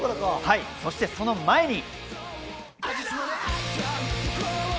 そしてその前に。